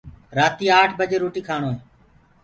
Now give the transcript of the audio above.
رآتي آٺ بجي روٽيٚ ڪآڻوئي